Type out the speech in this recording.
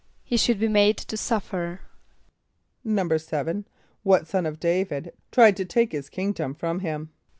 =He should be made to suffer.= =7.= What son of D[=a]´vid tried to take his kingdom from him?